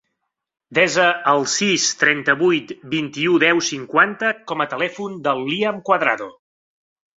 Desa el sis, trenta-vuit, vint-i-u, deu, cinquanta com a telèfon del Liam Cuadrado.